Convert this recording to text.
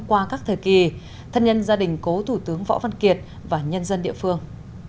qua các thời kỳ thân nhân gia đình cố thủ tướng võ văn kiệt và nhân dân địa phương